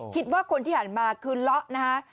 คิดว่าคนที่หันมาคือเลาะนะฮะ